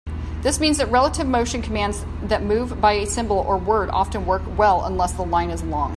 This means that relative motion commands that move by a symbol or word often work well unless the line is long.